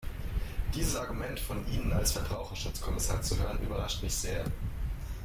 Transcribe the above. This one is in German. Dieses Argument von Ihnen als Verbraucherschutz-Kommissar zu hören, überrascht mich sehr.